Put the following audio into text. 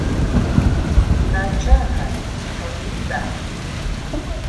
Макӏа ар, хьауми ба?